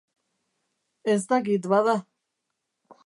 Ez dakit, bada.